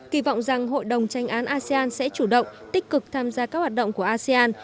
kỳ vọng rằng hội đồng tranh án asean sẽ chủ động tích cực tham gia các hoạt động của asean